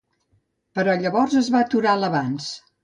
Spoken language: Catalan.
Però llavors es va aturar l'avanç.